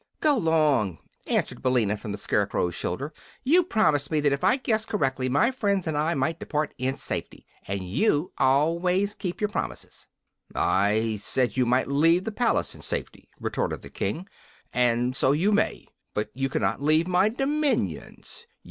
"Go 'long!" answered Billina, from the Scarecrow's shoulder. "You promised me that if I guessed correctly my friends and I might depart in safety. And you always keep your promises." "I said you might leave the palace in safety," retorted the King; "and so you may, but you cannot leave my dominions.